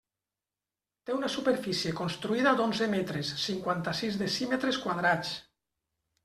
Té una superfície construïda d'onze metres, cinquanta-sis decímetres quadrats.